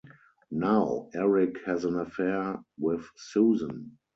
Now, Erik has an affair with Susan.